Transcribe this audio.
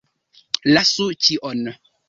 Lasu ĉion!